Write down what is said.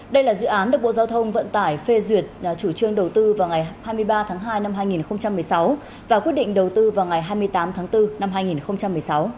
đây là dự án được bộ giao thông vận tải phê duyệt chủ trương đầu tư vào ngày hai mươi ba tháng hai năm hai nghìn một mươi sáu và quyết định đầu tư vào ngày hai mươi tám tháng bốn năm hai nghìn một mươi sáu